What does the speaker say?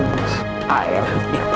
aku mendingan siapa ini